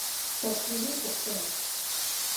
تشريحي پوښتنې: